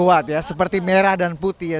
kuat ya seperti merah dan putih ya